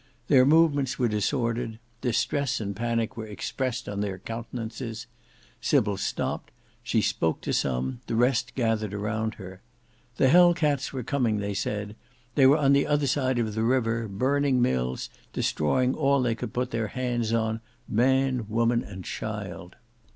Their movements were disordered, distress and panic were expressed on their countenances. Sybil stopped, she spoke to some, the rest gathered around her. The Hell cats were coming, they said; they were on the other side of the river, burning mills, destroying all they could put their hands on, man, woman and child.